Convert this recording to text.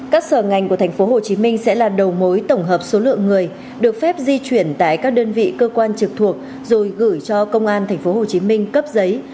các sở ngành của thành phố hồ chí minh sẽ là đầu mối tổng hợp số lượng người được phép di chuyển tại các đơn vị cơ quan trực thuộc rồi gửi cho công an thành phố hồ chí minh cấp giấy